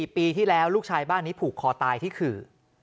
ปีที่แล้วลูกชายบ้านนี้ผูกคอตายที่ขื่อ